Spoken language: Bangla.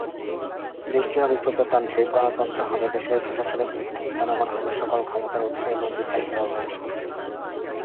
দেশটি হবে প্রজাতান্ত্রিক, গণতন্ত্র হবে এদেশের প্রশাসনিক ভিত্তি, জনগণ হবে সকল ক্ষমতার উৎস এবং বিচার বিভাগ হবে স্বাধীন।